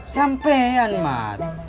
sampai ya anmat